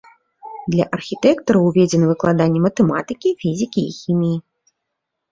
Для архітэктараў уведзена выкладанне матэматыкі, фізікі і хіміі.